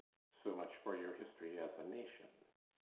So much for your history as a nation.